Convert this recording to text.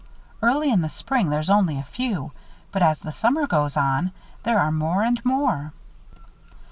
Early in the spring there's only a few; but as the summer goes on, there are more and more."